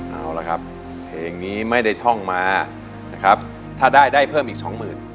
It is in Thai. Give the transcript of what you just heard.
เอาละครับเพลงนี้ไม่ได้ท่องมานะครับถ้าได้ได้เพิ่มอีกสองหมื่น